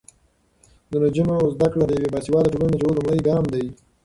د نجونو زده کړه د یوې باسواده ټولنې د جوړولو لومړی ګام دی.